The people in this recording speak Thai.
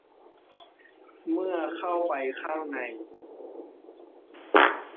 เมื่อเข้าไปข้างใน